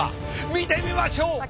見てみましょう！